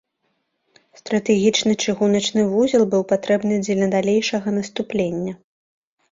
Стратэгічны чыгуначны вузел быў патрэбны дзеля далейшага наступлення.